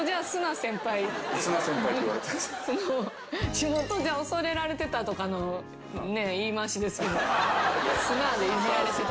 地元じゃ恐れられてたとかの言い回しですけど「すな」でいじられてた？